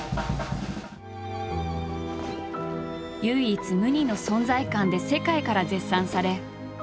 唯一無二の存在感で世界から絶賛され